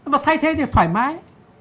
vật thay thế thì thoải mái